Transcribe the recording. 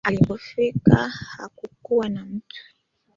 Alipofika hakukuwa na mtu